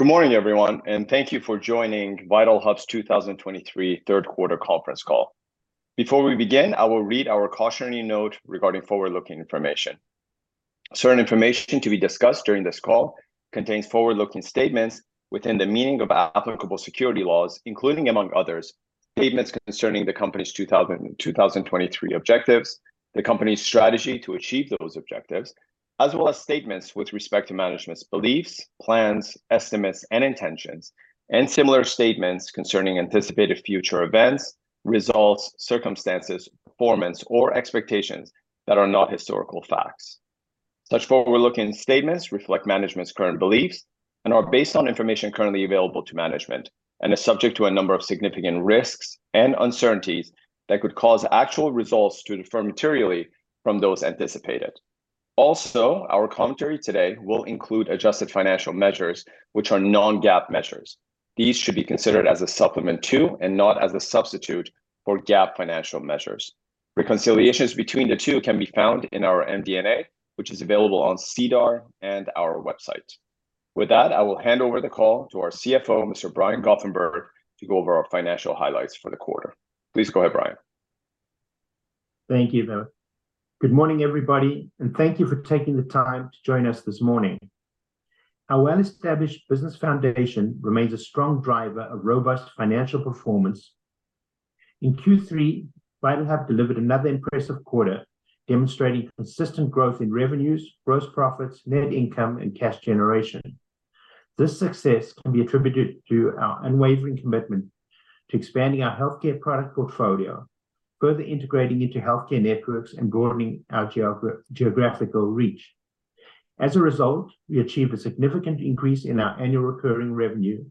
Good morning, everyone, and thank you for joining VitalHub's 2023 third quarter conference call. Before we begin, I will read our cautionary note regarding forward-looking information. Certain information to be discussed during this call contains forward-looking statements within the meaning of applicable security laws, including, among others, statements concerning the company's 2023 objectives, the company's strategy to achieve those objectives, as well as statements with respect to management's beliefs, plans, estimates, and intentions, and similar statements concerning anticipated future events, results, circumstances, performance, or expectations that are not historical facts. Such forward-looking statements reflect management's current beliefs and are based on information currently available to management and are subject to a number of significant risks and uncertainties that could cause actual results to differ materially from those anticipated. Also, our commentary today will include adjusted financial measures, which are non-GAAP measures. These should be considered as a supplement to, and not as a substitute for, GAAP financial measures. Reconciliations between the two can be found in our MD&A, which is available on SEDAR and our website. With that, I will hand over the call to our CFO, Mr. Brian Goffenberg, to go over our financial highlights for the quarter. Please go ahead, Brian. Thank you, David. Good morning, everybody, and thank you for taking the time to join us this morning. Our well-established business foundation remains a strong driver of robust financial performance. In Q3, VitalHub delivered another impressive quarter, demonstrating consistent growth in revenues, gross profits, net income, and cash generation. This success can be attributed to our unwavering commitment to expanding our healthcare product portfolio, further integrating into healthcare networks, and broadening our geographical reach. As a result, we achieved a significant increase in our annual recurring revenue,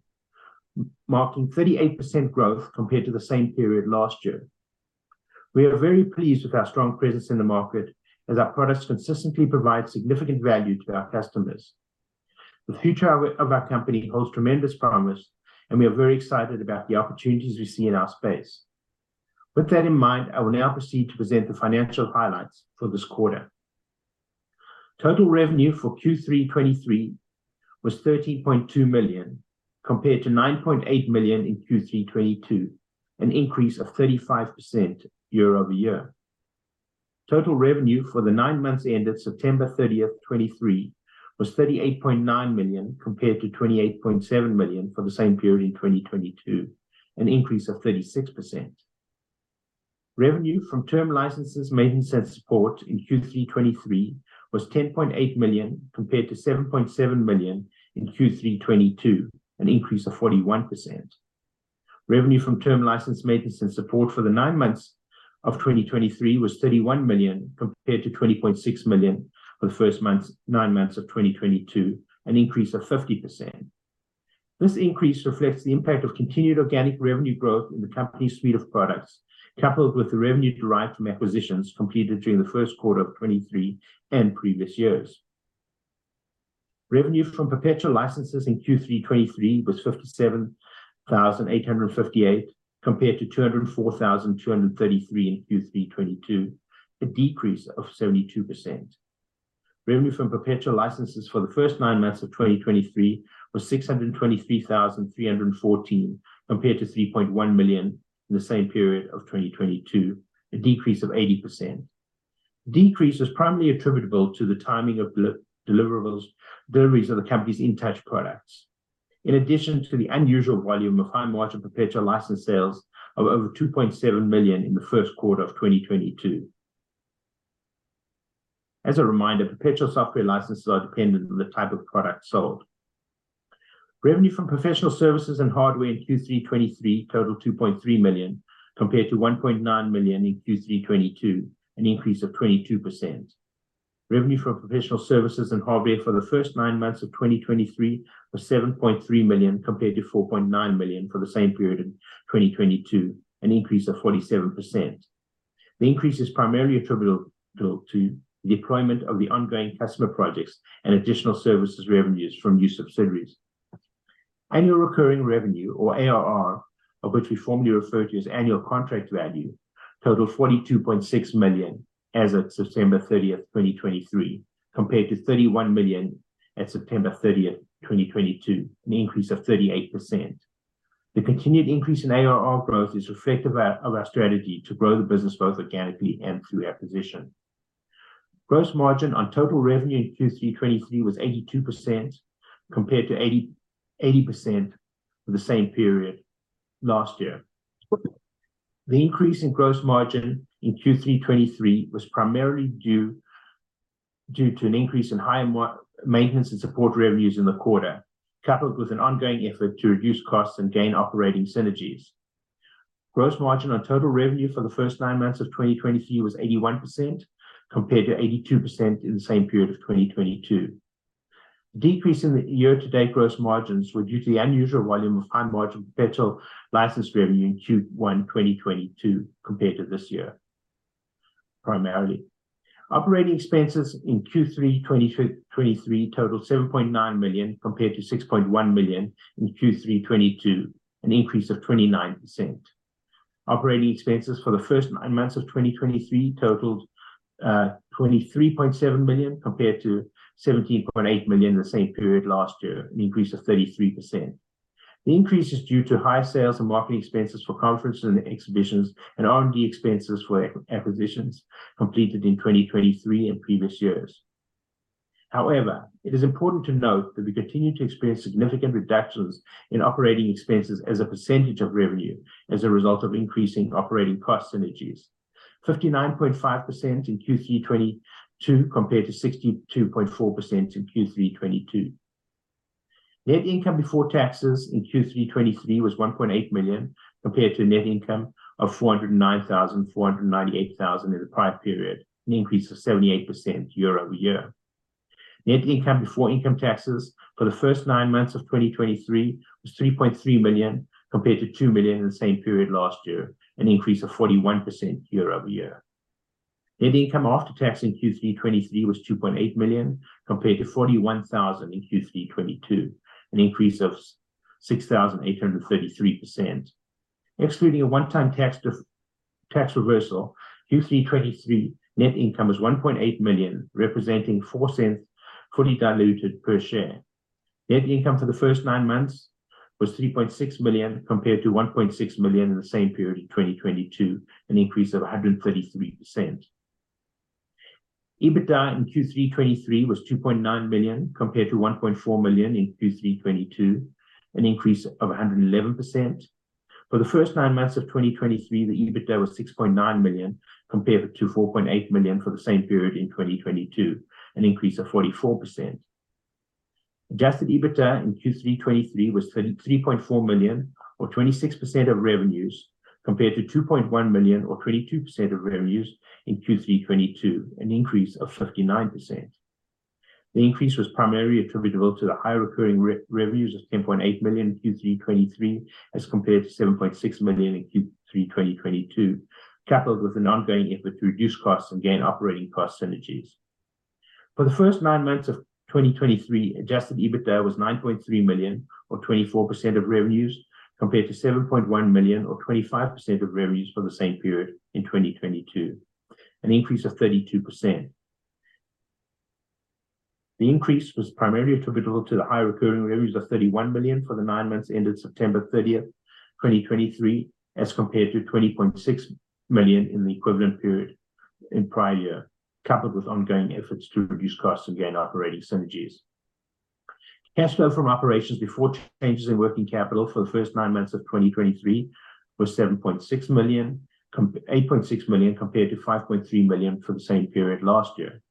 marking 38% growth compared to the same period last year. We are very pleased with our strong presence in the market as our products consistently provide significant value to our customers. The future of our, of our company holds tremendous promise, and we are very excited about the opportunities we see in our space. With that in mind, I will now proceed to present the financial highlights for this quarter. Total revenue for Q3 2023 was 13.2 million, compared to 9.8 million in Q3 2022, an increase of 35% year-over-year. Total revenue for the nine months ended September 30th, 2023, was 38.9 million, compared to 28.7 million for the same period in 2022, an increase of 36%. Revenue from term licenses, maintenance, and support in Q3 2023 was 10.8 million, compared to 7.7 million in Q3 2022, an increase of 41%. Revenue from term license maintenance and support for the nine months of 2023 was 31 million, compared to 20.6 million for the nine months of 2022, an increase of 50%. This increase reflects the impact of continued organic revenue growth in the company's suite of products, coupled with the revenue derived from acquisitions completed during the first quarter of 2023 and previous years. Revenue from perpetual licenses in Q3 2023 was 57,858, compared to 204,233 in Q3 2022, a decrease of 72%. Revenue from perpetual licenses for the first nine months of 2023 was 623,314, compared to 3.1 million in the same period of 2022, a decrease of 80%. Decrease is primarily attributable to the timing of deliverables, deliveries of the company's in touch products, in addition to the unusual volume of high-margin perpetual license sales of over 2.7 million in the first quarter of 2022. As a reminder, perpetual software licenses are dependent on the type of product sold. Revenue from professional services and hardware in Q3 2023 totaled 2.3 million, compared to 1.9 million in Q3 2022, an increase of 22%. Revenue from professional services and hardware for the first nine months of 2023 was 7.3 million, compared to 4.9 million for the same period in 2022, an increase of 47%. The increase is primarily attributable to the deployment of the ongoing customer projects and additional services revenues from new subsidiaries. Annual recurring revenue, or ARR, of which we formerly referred to as annual contract value, totaled 42.6 million as of September 30th, 2023, compared to 31 million at September 30th, 2022, an increase of 38%. The continued increase in ARR growth is reflective of our strategy to grow the business both organically and through acquisition. Gross margin on total revenue in Q3 2023 was 82%, compared to 80% for the same period last year. The increase in gross margin in Q3 2023 was primarily due to an increase in high-margin maintenance and support revenues in the quarter, coupled with an ongoing effort to reduce costs and gain operating synergies. Gross margin on total revenue for the first nine months of 2023 was 81%, compared to 82% in the same period of 2022. Decrease in the year-to-date gross margins were due to the unusual volume of high-margin perpetual license revenue in Q1 2022 compared to this year, primarily. Operating expenses in Q3 2023 totaled 7.9 million, compared to 6.1 million in Q3 2022, an increase of 29%. Operating expenses for the first nine months of 2023 totaled 23.7 million, compared to 17.8 million in the same period last year, an increase of 33%. The increase is due to higher sales and marketing expenses for conferences and exhibitions, and R&D expenses for acquisitions completed in 2023 and previous years. However, it is important to note that we continue to experience significant reductions in operating expenses as a percentage of revenue as a result of increasing operating cost synergies. 59.5% in Q3 2022, compared to 62.4% in Q3 2022. Net income before taxes in Q3 2023 was 1.8 million, compared to a net income of 409,498 in the prior period, an increase of 78% year-over-year. Net income before income taxes for the first nine months of 2023 was 3.3 million, compared to 2 million in the same period last year, an increase of 41% year-over-year. Net income after tax in Q3 2023 was 2.8 million, compared to 41,000 in Q3 2022, an increase of 6,833%. Excluding a one-time tax reversal, Q3 2023 net income was 1.8 million, representing 0.04 fully diluted per share. Net income for the first nine months was 3.6 million, compared to 1.6 million in the same period in 2022, an increase of 133%. EBITDA in Q3 2023 was 2.9 million, compared to 1.4 million in Q3 2022, an increase of 111%. For the first nine months of 2023, the EBITDA was 6.9 million, compared to 4.8 million for the same period in 2022, an increase of 44%. Adjusted EBITDA in Q3 2023 was 33.4 million, or 26% of revenues, compared to 2.1 million, or 22% of revenues in Q3 2022, an increase of 59%. The increase was primarily attributable to the higher recurring revenues of 10.8 million in Q3 2023, as compared to 7.6 million in Q3 2022, coupled with an ongoing effort to reduce costs and gain operating cost synergies. For the first nine months of 2023, adjusted EBITDA was 9.3 million, or 24% of revenues, compared to 7.1 million, or 25% of revenues for the same period in 2022, an increase of 32%. The increase was primarily attributable to the higher recurring revenues of 31 million for the nine months ended September 30th, 2023, as compared to 20.6 million in the equivalent period in prior year, coupled with ongoing efforts to reduce costs and gain operating synergies. Cash flow from operations before changes in working capital for the first nine months of 2023 was 8.6 million, compared to 5.3 million for the same period last year.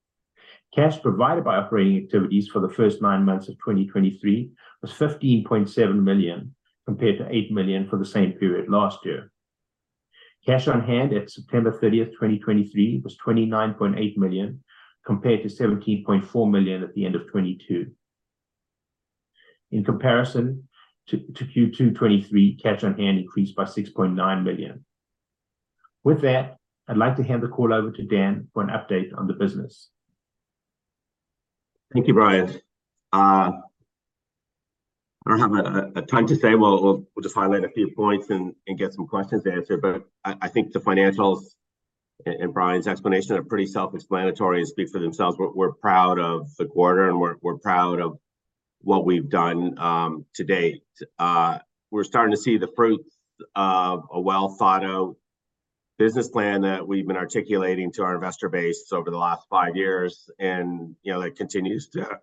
Cash provided by operating activities for the first nine months of 2023 was 15.7 million, compared to 8 million for the same period last year. Cash on hand at September 30th, 2023, was 29.8 million, compared to 17.4 million at the end of 2022. In comparison to Q2 2023, cash on hand increased by 6.9 million. With that, I'd like to hand the call over to Dan for an update on the business. Thank you, Brian. I don't have a ton to say. We'll just highlight a few points and get some questions answered. But I think the financials and Brian's explanation are pretty self-explanatory and speak for themselves. We're proud of the quarter, and we're proud of what we've done to date. We're starting to see the fruits of a well-thought-out business plan that we've been articulating to our investor base over the last five years, and you know that continues to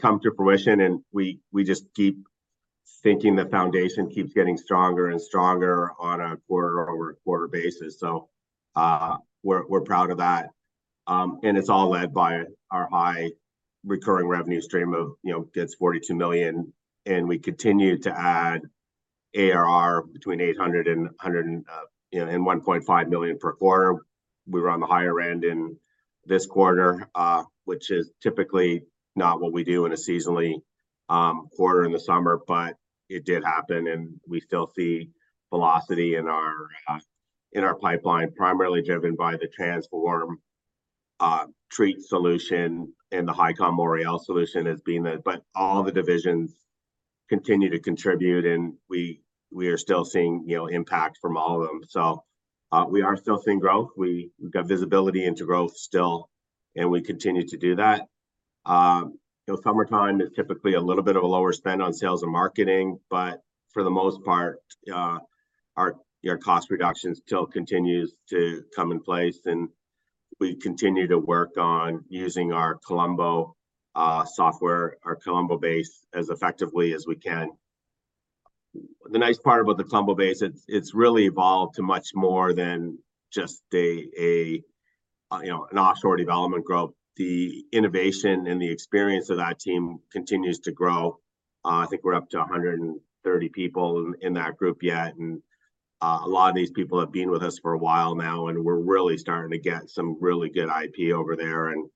come to fruition, and we just keep thinking the foundation keeps getting stronger and stronger on a quarter-over-quarter basis. So, we're proud of that. And it's all led by our high recurring revenue stream of, you know, that's 42 million, and we continue to add ARR between 800,000-1.5 million per quarter. We were on the higher end in this quarter, which is typically not what we do in a seasonal quarter in the summer, but it did happen, and we still see velocity in our, in our pipeline, primarily driven by the TREAT solution and the Hicom Oriel solution as being that. But all the divisions continue to contribute, and we, we are still seeing, you know, impact from all of them. So, we are still seeing growth. We've got visibility into growth still, and we continue to do that. You know, summertime is typically a little bit of a lower spend on sales and marketing, but for the most part, our, your cost reductions still continues to come in place, and we continue to work on using our Colombo software, our Colombo base, as effectively as we can. The nice part about the Colombo base, it's really evolved to much more than just a, you know, an offshore development group. The innovation and the experience of that team continues to grow. I think we're up to 130 people in that group yet, and a lot of these people have been with us for a while now, and we're really starting to get some really good IP over there, and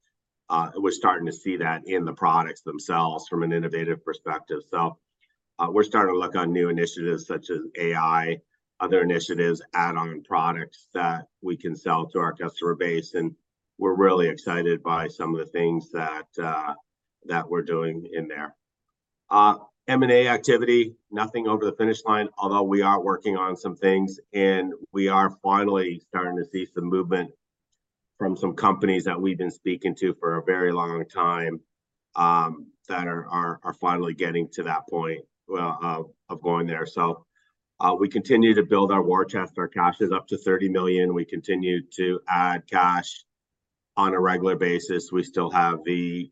we're starting to see that in the products themselves from an innovative perspective. So, we're starting to look on new initiatives such as AI, other initiatives, add-on products that we can sell to our customer base, and we're really excited by some of the things that, that we're doing in there. M&A activity, nothing over the finish line, although we are working on some things, and we are finally starting to see some movement from some companies that we've been speaking to for a very long time, that are finally getting to that point, well, of going there. So, we continue to build our war chest. Our cash is up to 30 million. We continue to add cash on a regular basis. We still have the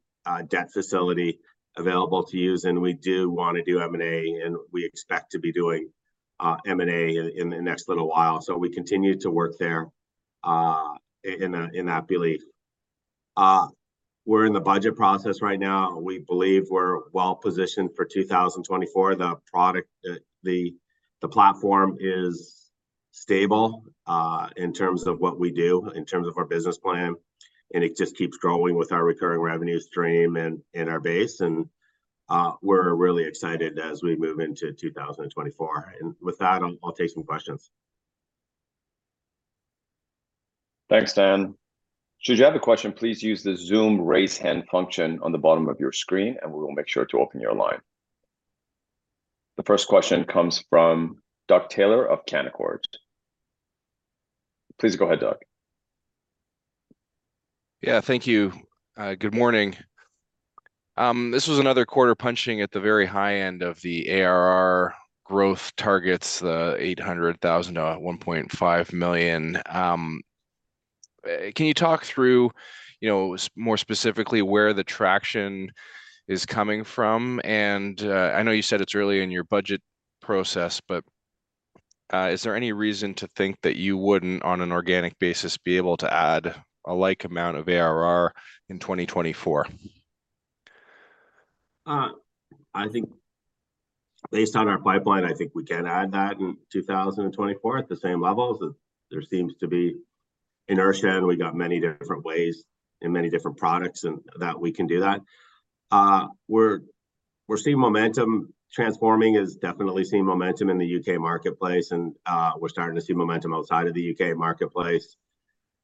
debt facility available to use, and we do wanna do M&A, and we expect to be doing M&A in the next little while. So we continue to work there in that belief. We're in the budget process right now. We believe we're well positioned for 2024. The product, the platform is stable in terms of what we do, in terms of our business plan, and it just keeps growing with our recurring revenue stream and our base, and we're really excited as we move into 2024. And with that, I'll take some questions. Thanks, Dan. Should you have a question, please use the Zoom Raise Hand function on the bottom of your screen, and we will make sure to open your line. The first question comes from Doug Taylor of Canaccord. Please go ahead, Doug. Yeah, thank you. Good morning. This was another quarter punching at the very high end of the ARR growth targets, the 800,000-1.5 million. Can you talk through, you know, more specifically, where the traction is coming from? And, I know you said it's early in your budget process, but, is there any reason to think that you wouldn't, on an organic basis, be able to add a like amount of ARR in 2024? I think, based on our pipeline, I think we can add that in 2024 at the same levels, that there seems to be inertia, and we got many different ways and many different products and that we can do that. We're seeing momentum. Transforming is definitely seeing momentum in the U.K. marketplace, and we're starting to see momentum outside of the U.K. marketplace.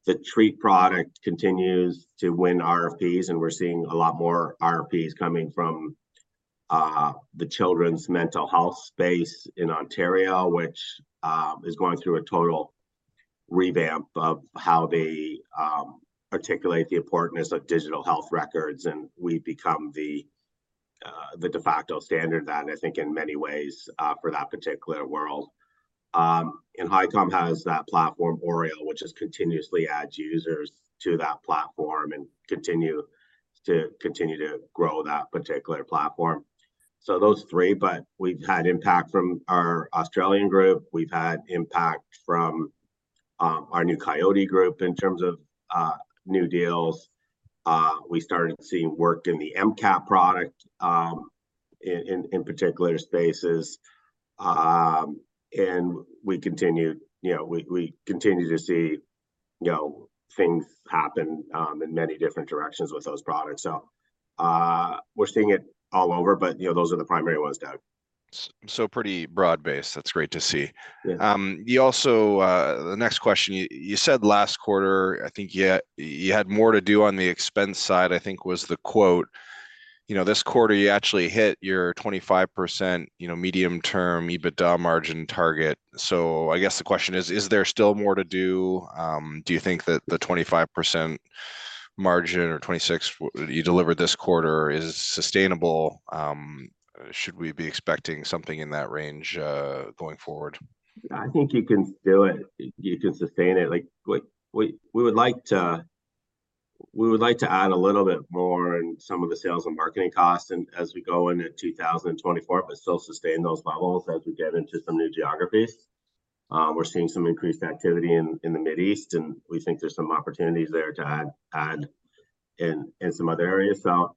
The TREAT product continues to win RFPs, and we're seeing a lot more RFPs coming from the children's mental health space in Ontario, which is going through a total revamp of how they articulate the importance of digital health records. And we've become the de facto standard of that, I think, in many ways, for that particular world. And Hicom has that platform, Oriel, which just continuously adds users to that platform and continue to grow that particular platform. So those three, but we've had impact from our Australian group. We've had impact from our new Coyote group in terms of new deals. We started seeing work in the MCAP product in particular spaces. And we continue. You know, we continue to see, you know, things happen in many different directions with those products. So we're seeing it all over, but, you know, those are the primary ones, Doug. So pretty broad-based. That's great to see. Yeah. You also, the next question, you said last quarter, I think you had, you had more to do on the expense side, I think was the quote. You know, this quarter, you actually hit your 25%, you know, medium-term EBITDA margin target. So I guess the question is: Is there still more to do? Do you think that the 25% margin, or 26%, you delivered this quarter is sustainable? Should we be expecting something in that range, going forward? I think we can do it. We can sustain it. We would like to add a little bit more in some of the sales and marketing costs and as we go into 2024, but still sustain those levels as we get into some new geographies. We're seeing some increased activity in the Middle East, and we think there's some opportunities there to add in some other areas. So,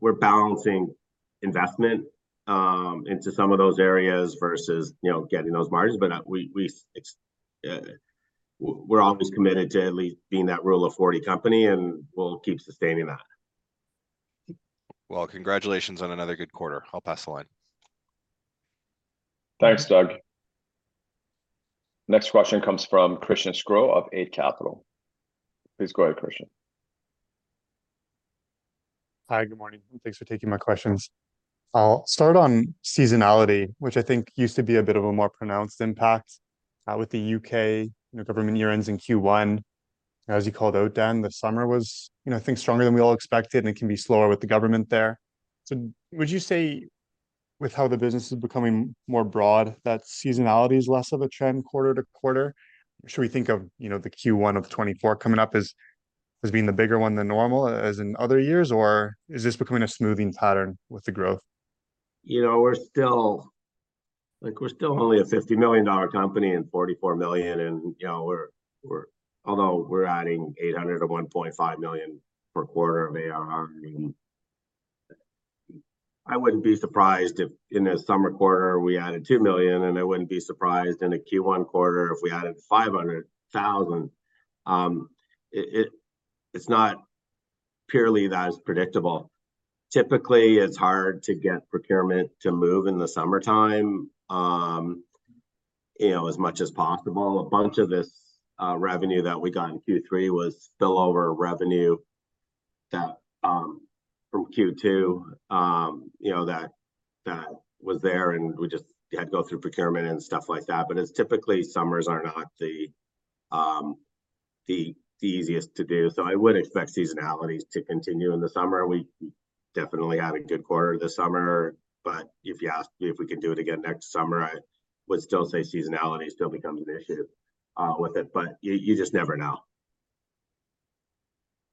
we're balancing investment into some of those areas versus, you know, getting those margins. But, we're always committed to at least being that Rule of 40 company, and we'll keep sustaining that. Well, congratulations on another good quarter. I'll pass the line. Thanks, Doug. Next question comes from Christian Sgro of Eight Capital. Please go ahead, Christian. Hi. Good morning, and thanks for taking my questions. I'll start on seasonality, which I think used to be a bit of a more pronounced impact with the U.K. You know, government year ends in Q1. As you called out, Dan, the summer was, you know, I think, stronger than we all expected, and it can be slower with the government there. So would you say, with how the business is becoming more broad, that seasonality is less of a trend quarter-to-quarter? Should we think of, you know, the Q1 of 2024 coming up as, as being the bigger one than normal as in other years, or is this becoming a smoothing pattern with the growth? You know, we're still... Like, we're still only a 50 million dollar company and 44 million, and, you know, although we're adding 800,000-1.5 million per quarter of ARR, I mean, I wouldn't be surprised if in a summer quarter we added 2 million, and I wouldn't be surprised in a Q1 quarter if we added 500,000. It's not purely that as predictable. Typically, it's hard to get procurement to move in the summertime. You know, as much as possible. A bunch of this revenue that we got in Q3 was spillover revenue that from Q2, you know, that was there, and we just had to go through procurement and stuff like that. But it's typically summers are not the easiest to do. I would expect seasonalities to continue in the summer. We definitely had a good quarter this summer, but if you asked me if we could do it again next summer, I would still say seasonality still becomes an issue, with it, but you just never know.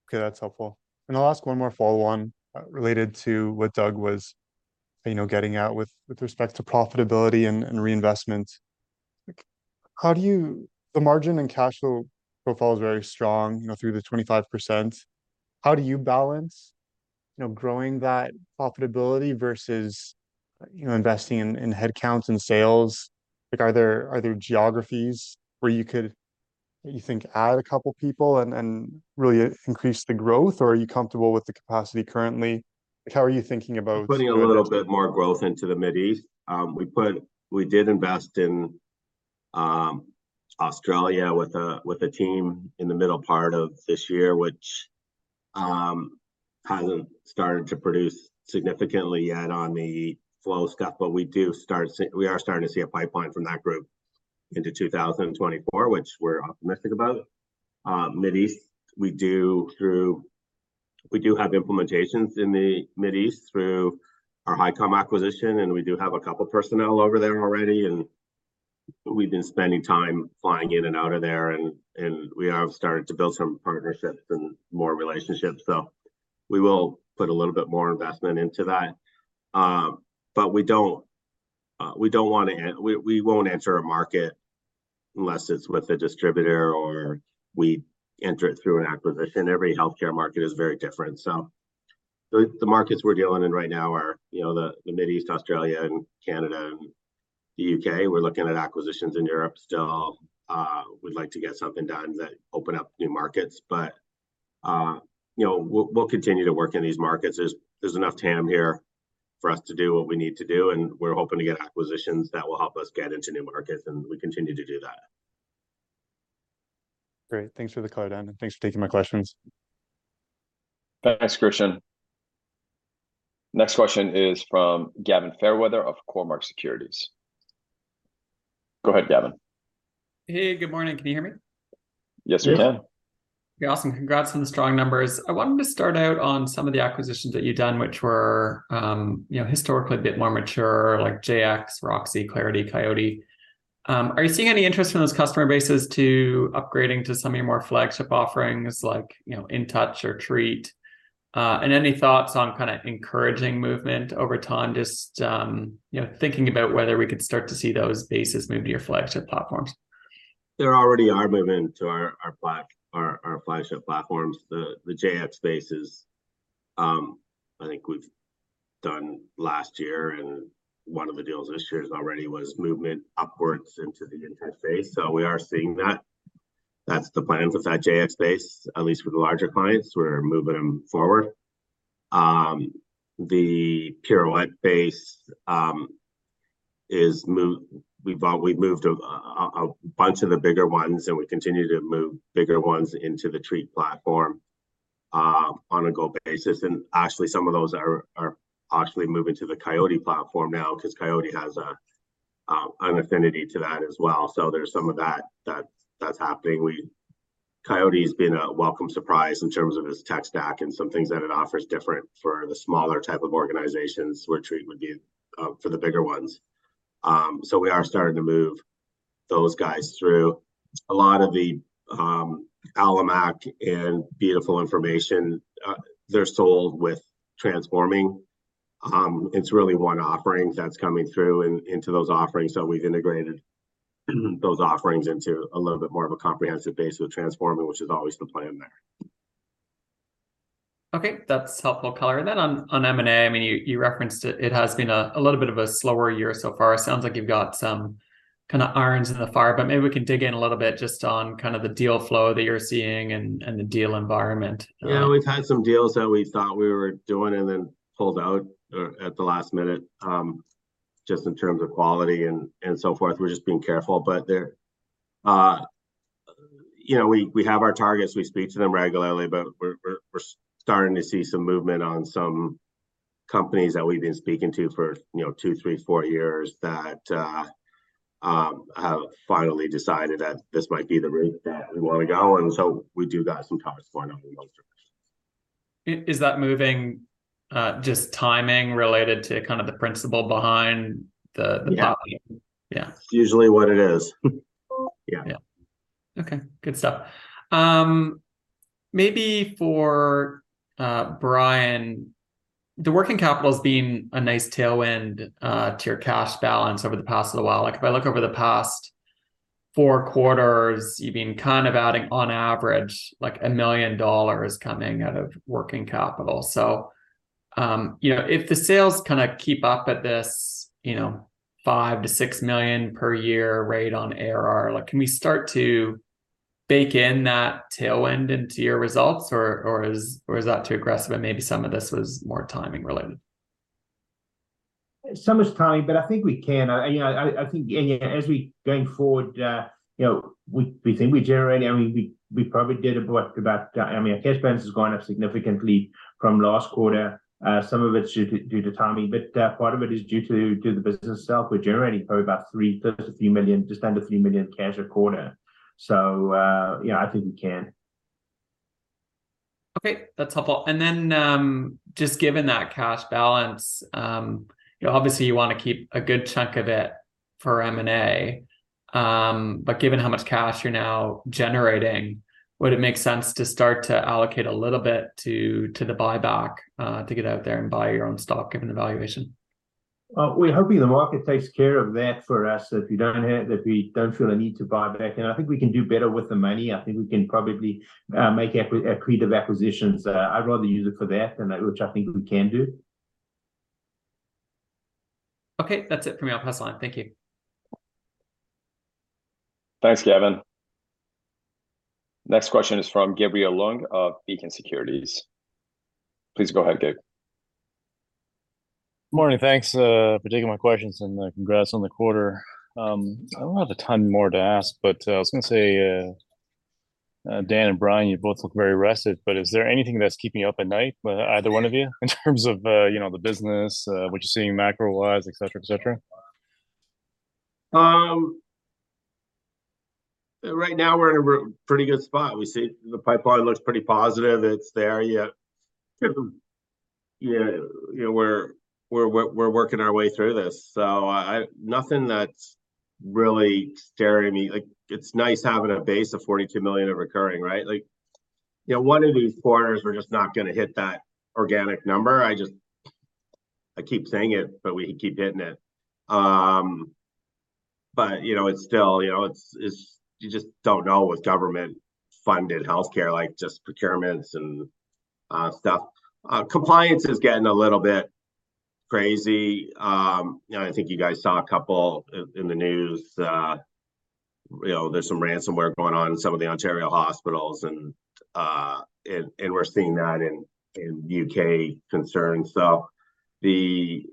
Okay, that's helpful. I'll ask one more follow-on, related to what Doug was, you know, getting at with respect to profitability and reinvestment. Like, how do you... The margin and cash flow profile is very strong, you know, through the 25%. How do you balance, you know, growing that profitability versus, you know, investing in headcounts and sales? Like, are there geographies where you could, you think, add a couple people and really increase the growth, or are you comfortable with the capacity currently? Like, how are you thinking about it? Putting a little bit more growth into the Middle East. We did invest in Australia with a team in the middle part of this year, which hasn't started to produce significantly yet on the flow stuff, but we are starting to see a pipeline from that group into 2024, which we're optimistic about. Middle East, we do have implementations in the Middle East through our Hicom acquisition, and we do have a couple personnel over there already, and we've been spending time flying in and out of there, and we have started to build some partnerships and more relationships. So we will put a little bit more investment into that. But we don't, we don't wanna we won't enter a market unless it's with a distributor or we enter it through an acquisition. Every healthcare market is very different. So the markets we're dealing in right now are, you know, the Middle East, Australia and Canada and the U.K. We're looking at acquisitions in Europe still. We'd like to get something done that open up new markets, but, you know, we'll continue to work in these markets. There's enough TAM here for us to do what we need to do, and we're hoping to get acquisitions that will help us get into new markets, and we continue to do that. Great. Thanks for the clarity, and thanks for taking my questions. Thanks, Christian. Next question is from Gavin Fairweather of Cormark Securities. Go ahead, Gavin. Hey, good morning. Can you hear me? Yes, we can. Yeah. Okay, awesome. Congrats on the strong numbers. I wanted to start out on some of the acquisitions that you've done, which were, you know, historically a bit more mature, like Jayex, Roxy, Clarity, Coyote. Are you seeing any interest from those customer bases to upgrading to some of your more flagship offerings, like, you know, Intouch or TREAT? And any thoughts on kinda encouraging movement over time, just, you know, thinking about whether we could start to see those bases move to your flagship platforms? There already are movement to our flagship platforms. The Jayex base is, I think we've done last year, and one of the deals this year already was movement upwards into the Intouch base. So we are seeing that. That's the plan with that Jayex base. At least for the larger clients, we're moving them forward. The Pirouette base, we've moved a bunch of the bigger ones, and we continue to move bigger ones into the TREAT platform, on a go basis. And actually, some of those are actually moving to the Coyote platform now, 'cause Coyote has an affinity to that as well. So there's some of that that's happening. Coyote's been a welcome surprise in terms of its tech stack and some things that it offers different for the smaller type of organizations, where TREAT would be for the bigger ones. So we are starting to move those guys through. A lot of the Alamac and Beautiful Information, they're sold with Transforming. It's really one offering that's coming through into those offerings, so we've integrated those offerings into a little bit more of a comprehensive base with Transforming, which is always the plan there. Okay, that's helpful color. And then on M&A, I mean, you referenced it, it has been a little bit of a slower year so far. It sounds like you've got some kinda irons in the fire, but maybe we can dig in a little bit just on kind of the deal flow that you're seeing and the deal environment. Yeah. We've had some deals that we thought we were doing and then pulled out at the last minute, just in terms of quality and so forth. We're just being careful, but there. You know, we have our targets. We speak to them regularly, but we're starting to see some movement on some companies that we've been speaking to for, you know, two, three, or four years that have finally decided that this might be the route that we wanna go. And so we do got some talks going on in those directions. I- is that moving, just timing related to kind of the principle behind the, the- Yeah. Yeah. It's usually what it is. Yeah. Yeah. Okay, good stuff. Maybe for Brian, the working capital's been a nice tailwind to your cash balance over the past little while. Like, if I look over the past four quarters, you've been kind of adding, on average, like, 1 million dollars coming out of working capital. So, you know, if the sales kinda keep up at this, you know, 5 million-6 million per year rate on ARR, like, can we start to bake in that tailwind into your results, or, or is, or is that too aggressive, and maybe some of this was more timing related? Some is timing, but I think we can. You know, I think, yeah, yeah, as we going forward, you know, we think we generate, I mean, we probably did about, about... I mean, our cash balance has gone up significantly from last quarter. Some of it's due to timing, but part of it is due to the business itself. We're generating probably about three, close to 3 million, just under 3 million cash a quarter. So, you know, I think we can. Okay, that's helpful. And then, just given that cash balance, you know, obviously you wanna keep a good chunk of it for M&A. But given how much cash you're now generating, would it make sense to start to allocate a little bit to, to the buyback, to get out there and buy your own stock, given the valuation? We're hoping the market takes care of that for us, so if we don't have... If we don't feel a need to buy back, then I think we can do better with the money. I think we can probably make accretive acquisitions. I'd rather use it for that, and which I think we can do. Okay, that's it from me. I'll pass on. Thank you. Thanks, Gavin. Next question is from Gabriel Leung of Beacon Securities. Please go ahead, Gabriel. Morning. Thanks for taking my questions, and congrats on the quarter. I don't have a ton more to ask, but I was gonna say, Dan and Brian, you both look very rested, but is there anything that's keeping you up at night, either one of you, in terms of you know, the business, what you're seeing macro-wise, et cetera, et cetera? Right now we're in a really pretty good spot. We see the pipeline looks pretty positive. It's there, yeah. Yeah, you know, we're working our way through this, so I... Nothing that's really scaring me. Like, it's nice having a base of 42 million of recurring, right? Like, you know, one of these quarters, we're just not gonna hit that organic number. I just... I keep saying it, but we keep hitting it. But, you know, it's still, you know, it's you just don't know with government-funded healthcare, like, just procurements and stuff. Compliance is getting a little bit crazy. You know, I think you guys saw a couple in the news. You know, there's some ransomware going on in some of the Ontario hospitals, and we're seeing that in U.K. concerns. So we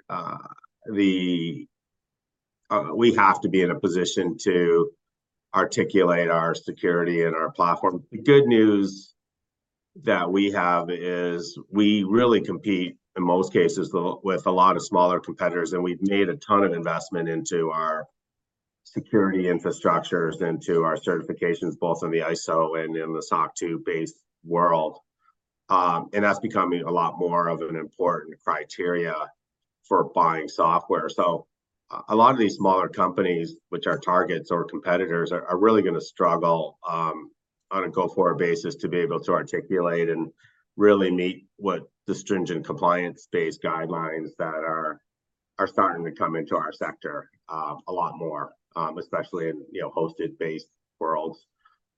have to be in a position to articulate our security and our platform. The good news that we have is we really compete, in most cases, with a lot of smaller competitors, and we've made a ton of investment into our security infrastructures and to our certifications, both in the ISO and in the SOC 2-based world. And that's becoming a lot more of an important criteria for buying software. So a lot of these smaller companies, which are targets or competitors, are really gonna struggle, on a go-forward basis to be able to articulate and really meet what the stringent compliance-based guidelines that are starting to come into our sector, a lot more, especially in, you know, hosted-based worlds.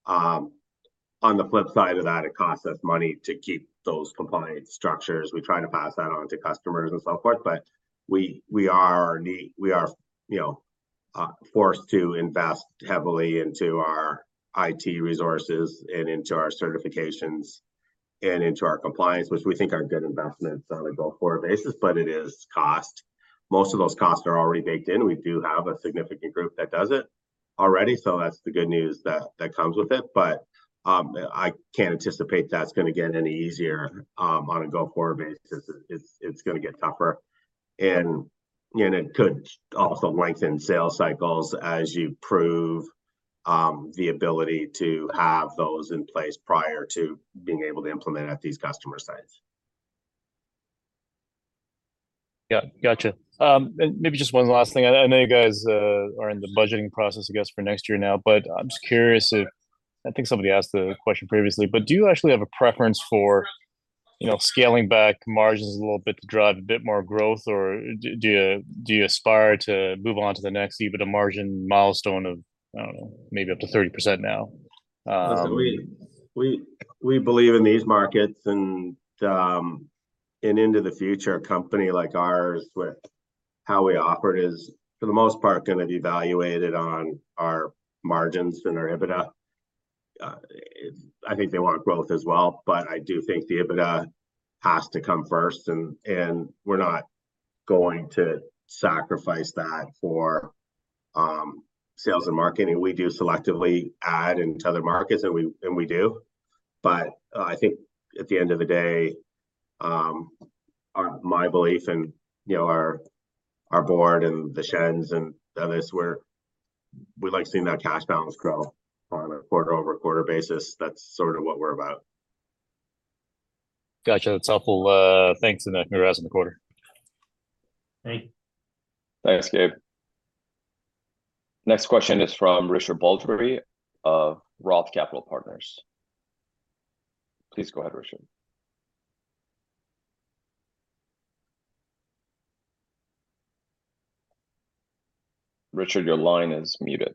On the flip side of that, it costs us money to keep those compliance structures. We try to pass that on to customers and so forth, but we are, you know, forced to invest heavily into our IT resources and into our certifications and into our compliance, which we think are good investments on a go-forward basis, but it is cost. Most of those costs are already baked in. We do have a significant group that does it already, so that's the good news that comes with it. But I can't anticipate that's gonna get any easier on a go-forward basis. It's gonna get tougher, and it could also lengthen sales cycles as you prove the ability to have those in place prior to being able to implement at these customer sites. Yeah, gotcha. And maybe just one last thing. I know you guys are in the budgeting process, I guess, for next year now, but I'm just curious if... I think somebody asked the question previously, but do you actually have a preference for, you know, scaling back margins a little bit to drive a bit more growth, or do you aspire to move on to the next EBITDA margin milestone of, I don't know, maybe up to 30% now? Listen, we believe in these markets, and into the future, a company like ours with how we operate is, for the most part, gonna be evaluated on our margins and our EBITDA. I think they want growth as well, but I do think the EBITDA has to come first, and we're not going to sacrifice that for sales and marketing. We do selectively add into other markets, and we do. But I think at the end of the day, our my belief and, you know, our Board and the Shens and others where we like seeing that cash balance grow on a quarter-over-quarter basis. That's sort of what we're about. Gotcha, that's helpful. Thanks, and, congrats on the quarter. Great. Thanks, Gabriel. Next question is from Richard Baldry of Roth Capital Partners. Please go ahead, Richard. Richard, your line is muted.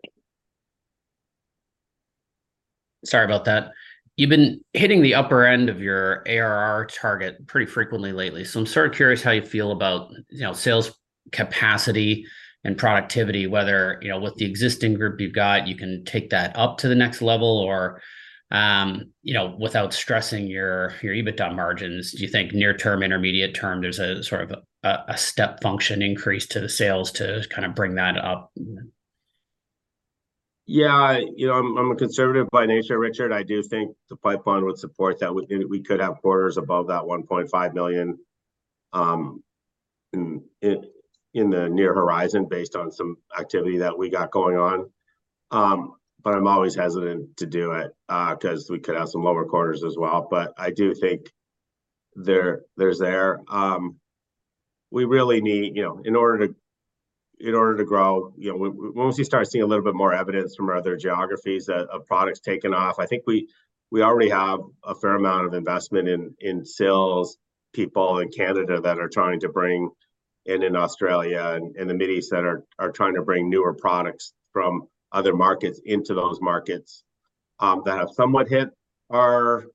Sorry about that. You've been hitting the upper end of your ARR target pretty frequently lately, so I'm sort of curious how you feel about, you know, sales capacity and productivity, whether, you know, with the existing group you've got, you can take that up to the next level, or, you know, without stressing your, your EBITDA margins. Do you think near term, intermediate term, there's a sort of a, a step function increase to the sales to kind of bring that up? Yeah. You know, I'm a conservative by nature, Richard. I do think the pipeline would support that. We could have quarters above 1.5 million in the near horizon based on some activity that we got going on. But I'm always hesitant to do it, 'cause we could have some lower quarters as well, but I do think there's that. We really need, you know, in order to, in order to grow, you know, once you start seeing a little bit more evidence from our other geographies that a product's taken off, I think we already have a fair amount of investment in sales people in Canada that are trying to bring in in Australia and in the Middle East, that are trying to bring newer products from other markets into those markets, that have somewhat hit our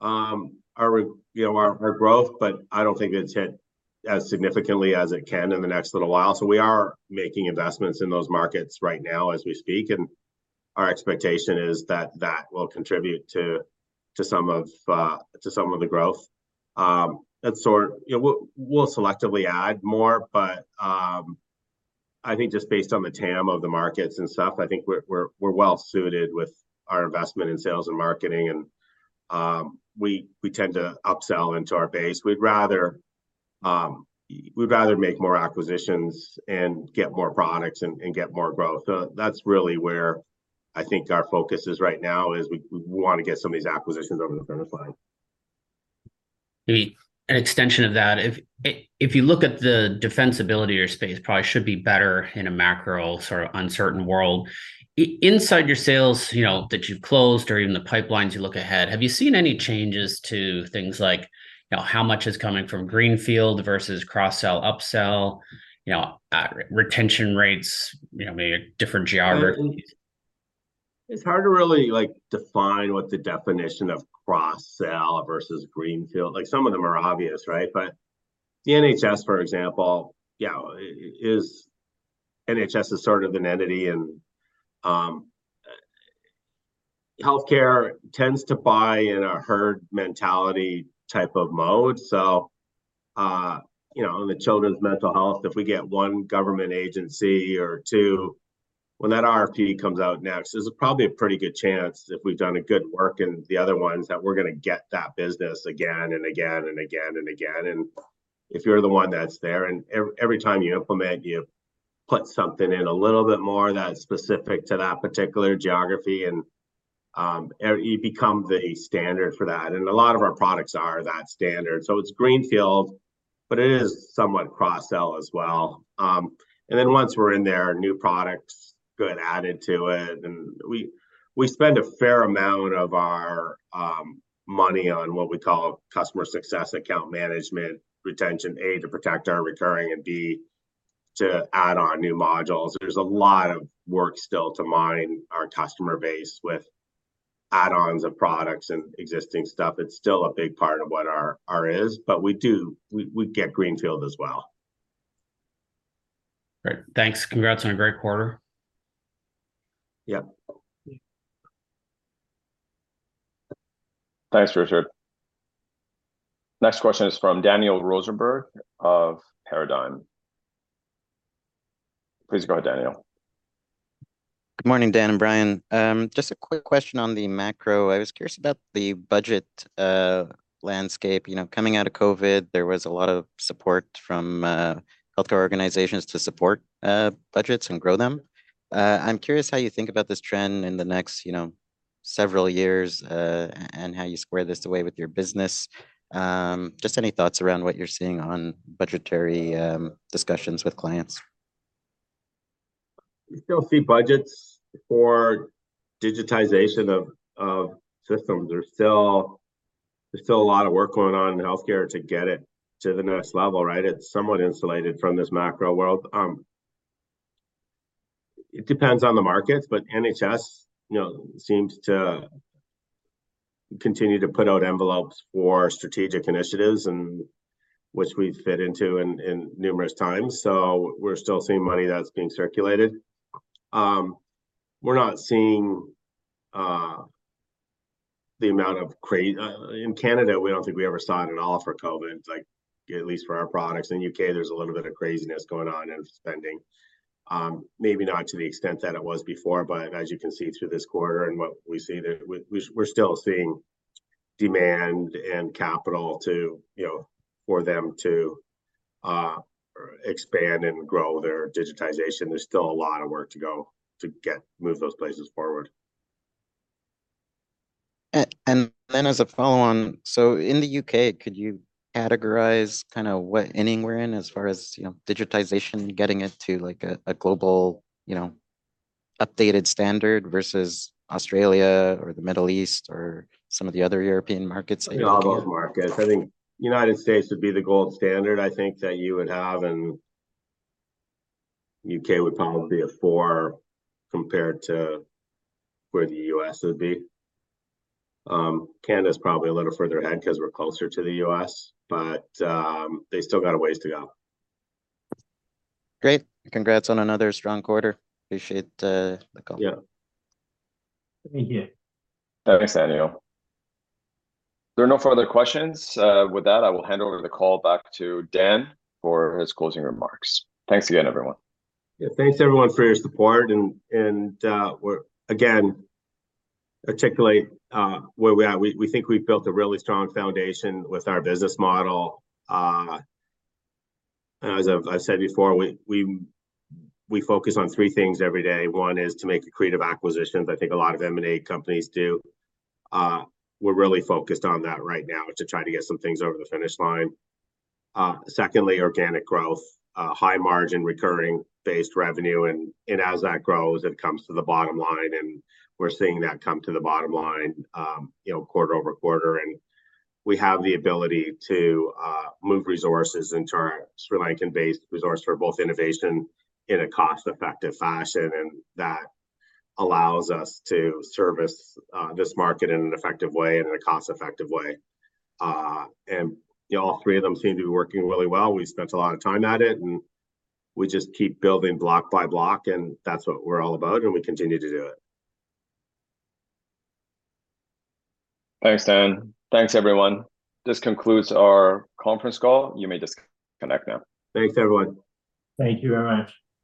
you know our growth, but I don't think it's hit as significantly as it can in the next little while. So we are making investments in those markets right now as we speak, and our expectation is that that will contribute to some of the growth. That sort... You know, we'll selectively add more, but I think just based on the TAM of the markets and stuff, I think we're well suited with our investment in sales and marketing, and we tend to upsell into our base. We'd rather make more acquisitions and get more products and get more growth. That's really where I think our focus is right now, is we wanna get some of these acquisitions over the finish line. An extension of that. If you look at the defensibility of your space, probably should be better in a macro sort of uncertain world. Inside your sales, you know, that you've closed or even the pipelines you look ahead, have you seen any changes to things like, you know, how much is coming from greenfield versus cross-sell, upsell, you know, retention rates, you know, maybe different geographies? It's hard to really, like, define what the definition of cross-sell versus greenfield. Like, some of them are obvious, right? But the NHS, for example, yeah, is... NHS is sort of an entity, and, healthcare tends to buy in a herd mentality type of mode. So, you know, in the children's mental health, if we get one government agency or two, when that RFP comes out next, there's probably a pretty good chance, if we've done a good work in the other ones, that we're gonna get that business again and again and again and again. And if you're the one that's there, and every time you implement, you put something in a little bit more that's specific to that particular geography, and, you become the standard for that. And a lot of our products are that standard. So it's greenfield, but it is somewhat cross-sell as well. And then once we're in there, new products get added to it, and we spend a fair amount of our money on what we call customer success, account management, retention, A, to protect our recurring, and B, to add on new modules. There's a lot of work still to mine our customer base with add-ons of products and existing stuff. It's still a big part of what our is, but we do. We get greenfield as well. Great. Thanks. Congrats on a great quarter. Yep. Thanks, Richard. Next question is from Daniel Rosenberg of Paradigm. Please go ahead, Daniel. Good morning, Dan and Brian. Just a quick question on the macro. I was curious about the budget landscape. You know, coming out of COVID, there was a lot of support from healthcare organizations to support budgets and grow them. I'm curious how you think about this trend in the next several years, and how you square this away with your business. Just any thoughts around what you're seeing on budgetary discussions with clients? You still see budgets for digitization of systems. There's still a lot of work going on in healthcare to get it to the next level, right? It's somewhat insulated from this macro world. It depends on the markets, but NHS, you know, seems to continue to put out envelopes for strategic initiatives, and which we fit into in numerous times, so we're still seeing money that's being circulated. We're not seeing the amount of in Canada, we don't think we ever saw it at all for COVID, like, at least for our products. In U.K., there's a little bit of craziness going on in spending, maybe not to the extent that it was before, but as you can see through this quarter and what we see there, we're still seeing demand and capital to, you know, for them to expand and grow their digitization. There's still a lot of work to go to get move those places forward. And then as a follow-on. So in the U.K., could you categorize kind of what inning we're in as far as, you know, digitization, getting it to, like, a global, you know, updated standard versus Australia or the Middle East or some of the other European markets? In all those markets, I think United States would be the gold standard, I think, that you would have, and U.K. would probably be a four compared to where the U.S. would be. Canada's probably a little further ahead 'cause we're closer to the U.S., but, they still got ways to go. Great. Congrats on another strong quarter. Appreciate the color. Yeah. Thank you. Thanks, Daniel. If there are no further questions, with that, I will hand over the call back to Dan for his closing remarks. Thanks again, everyone. Yeah. Thanks, everyone, for your support. And, we're again articulating where we are. We think we've built a really strong foundation with our business model. And as I've said before, we focus on three things every day. One is to make accretive acquisitions. I think a lot of M&A companies do. We're really focused on that right now to try to get some things over the finish line. Secondly, organic growth, high margin, recurring-based revenue, and as that grows, it comes to the bottom line, and we're seeing that come to the bottom line, you know, quarter-over-quarter. We have the ability to move resources into our Sri Lankan-based resource for both innovation in a cost-effective fashion, and that allows us to service this market in an effective way and in a cost-effective fashion. You know, all three of them seem to be working really well. We've spent a lot of time at it, and we just keep building block by block, and that's what we're all about, and we continue to do it. Thanks, Dan. Thanks, everyone. This concludes our conference call. You may disconnect now. Thanks, everyone. Thank you very much.